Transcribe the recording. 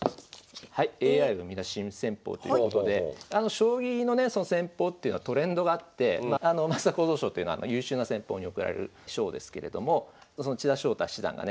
将棋のね戦法っていうのはトレンドがあって升田幸三賞っていうのは優秀な戦法に贈られる賞ですけれどもその千田翔太七段がね